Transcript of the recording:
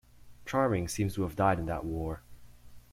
Charming seems to have died in that war.